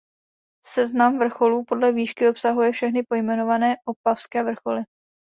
Seznam vrcholů podle výšky obsahuje všechny pojmenované opavské vrcholy.